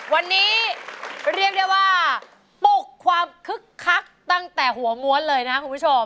วันนี้เรียกได้ว่าปลุกความคึกคักตั้งแต่หัวม้วนเลยนะคุณผู้ชม